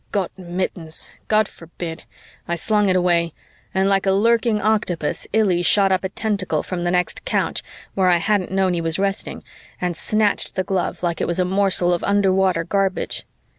Got mittens, God forbid! I slung it away and, like a lurking octopus, Illy shot up a tentacle from the next couch, where I hadn't known he was resting, and snatched the glove like it was a morsel of underwater garbage.